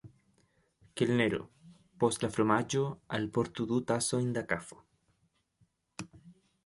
Kelnero, post la fromaĝo alportu du tasojn da kafo.